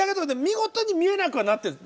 見事に見えなくはなってる。